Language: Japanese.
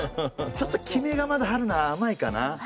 ちょっと決めがまだ春菜甘いかな。